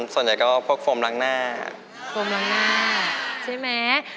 ส่วนใหญ่ก็พวกโฟมล้างหน้าโฟมล้างหน้าใช่ไหม